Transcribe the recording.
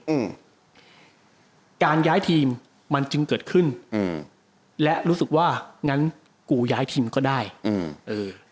อืมการย้ายทีมมันจึงเกิดขึ้นอืมและรู้สึกว่างั้นกูย้ายทีมก็ได้อืมเออ